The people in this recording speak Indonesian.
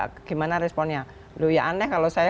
bagaimana responnya lu ya aneh kalau saya